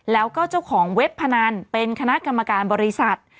แล้วก็เจ้าของเว็บพนันเป็นคณะกรรมการบริษัท